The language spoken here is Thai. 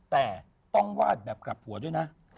แต่ต้องวาดแบบกลับหัวด้วยนะ